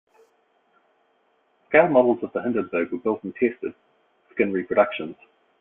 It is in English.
Scale models of the "Hindenburg" were built and tested with skin reproductions.